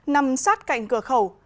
nằm sát cạnh cửa khẩu